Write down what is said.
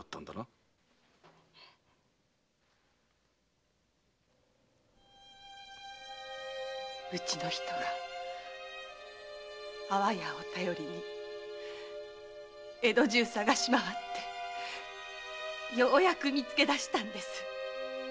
えっ⁉うちの人が「安房屋」を頼りに江戸中探し回ってようやく見つけ出したんです。